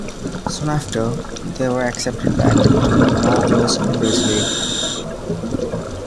Soon after, they were accepted back into the North West Counties League.